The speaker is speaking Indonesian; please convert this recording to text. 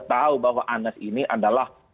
tahu bahwa anas ini adalah